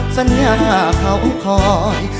สัญญาเขาคอย